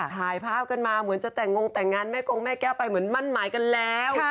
ถ่ายภาพกันมาเหมือนจะแต่งงแต่งงานแม่กงแม่แก้วไปเหมือนมั่นหมายกันแล้ว